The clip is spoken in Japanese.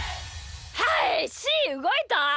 はいしーうごいた。